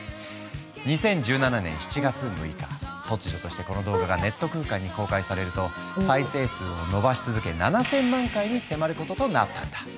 ２０１７年７月６日突如としてこの動画がネット空間に公開されると再生数を伸ばし続け７，０００万回に迫ることとなったんだ。